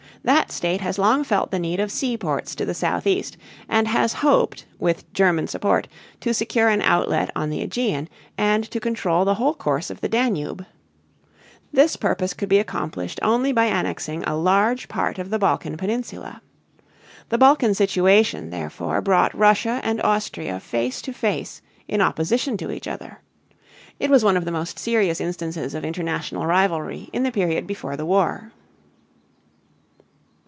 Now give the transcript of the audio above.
That state has long felt the need of seaports to the southeast and has hoped, with German support, to secure an outlet on the Ægean and to control the whole course of the Danube. This purpose could be accomplished only by annexing a large part of the Balkan peninsula. The Balkan situation, therefore, brought Russia and Austria face to face in opposition to each other. It was one of the most serious instances of international rivalry in the period before the war.